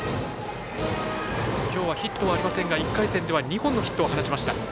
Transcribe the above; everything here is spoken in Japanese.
きょうはヒットはありませんが１回戦では２本のヒットを放ちました。